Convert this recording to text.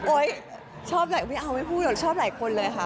โอ๊ยชอบหลายไม่เอาไม่พูดชอบหลายคนเลยค่ะ